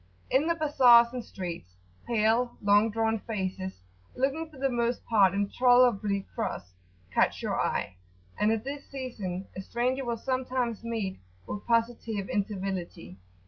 In the bazars and streets, pale long drawn faces, looking for the most part intolerably cross, catch your eye, and at this season a stranger will sometimes meet with positive incivility.